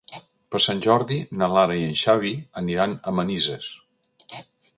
Per Sant Jordi na Lara i en Xavi aniran a Manises.